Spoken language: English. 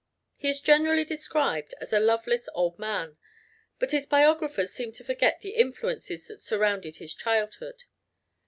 He is generally described as a loveless old man, but his biographers seem to forget the influences that surrounded his childhood.